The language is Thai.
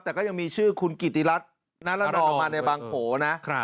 แต่ก็ยังมีชื่อคุณกิติรัฐนารนองมาในบางโผล่นะ